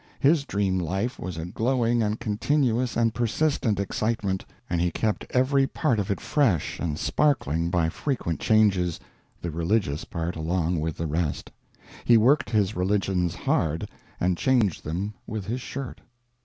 His dream life was a glowing and continuous and persistent excitement, and he kept every part of it fresh and sparkling by frequent changes, the religious part along with the rest. He worked his religions hard, and changed them with his shirt.